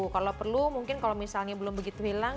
kalau perlu mungkin kalau misalnya belum begitu hilang